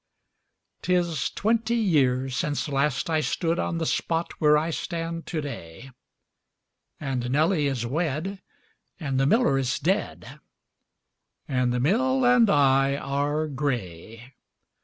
'T is twenty years since last I stoodOn the spot where I stand to day, And Nelly is wed, and the miller is dead, And the mill and I are gray.